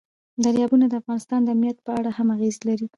دریابونه د افغانستان د امنیت په اړه هم اغېز لري.